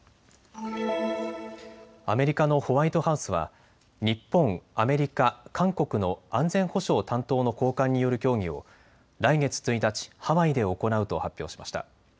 アメリカのホワイトハウスは日本、アメリカ、韓国の安全保障担当の高官による協議を来月１日、ハワイで行うと発表しました。